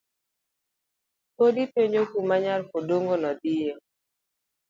Pod ipenjo kuma nyar kodongo no dhie.